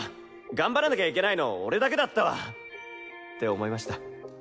頑張らなきゃいけないの俺だけだったわって思いました。